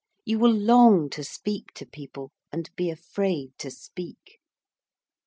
You will long to speak to people, and be afraid to speak.